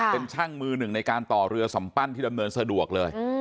เป็นช่างมือหนึ่งในการต่อเรือสัมปั้นที่ดำเนินสะดวกเลย